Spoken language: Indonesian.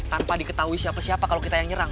tanpa diketahui siapa siapa kalau kita yang nyerang